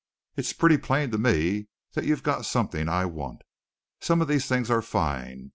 It's pretty plain to me that you've got something that I want. Some of these things are fine.